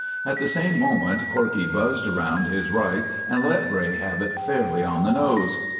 At the same moment Corkey buzzed round his right and let Bray have it fairly on the nose.